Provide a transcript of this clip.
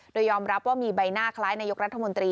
โดยยอมรับว่ามีใบหน้าคล้ายนายกรัฐมนตรี